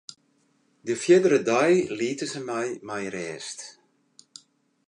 De fierdere dei lieten se my mei rêst.